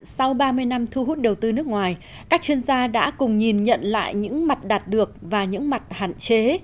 sau ba mươi năm thu hút đầu tư nước ngoài các chuyên gia đã cùng nhìn nhận lại những mặt đạt được và những mặt hạn chế